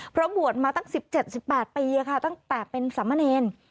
เพราะบวชมาตั้ง๑๗๑๘ปีตั้งแต่เป็นสามเณร